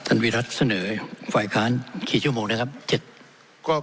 ท่านวิทย์รัฐเสนอฝ่ายค้านกี่ชั่วโมงนะครับ๗